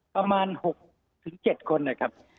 ประมาณ๖๗คนนะครับ